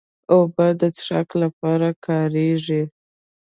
اوبه د څښاک لپاره کارېږي.